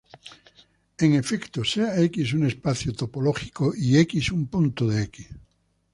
En efecto, sea "X" un espacio topológico y "x" un punto de "X".